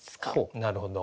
なるほど。